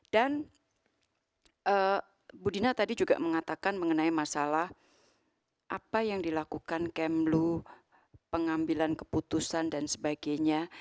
dan ibu dina tadi juga mengatakan mengenai masalah apa yang dilakukan kemlu pengambilan keputusan dan sebagainya